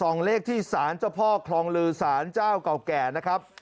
เลขที่สารเจ้าพ่อคลองลือสารเจ้าเก่าแก่นะครับ